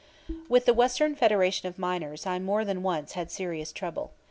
With the Western Federation of Miners I more than once had serious trouble.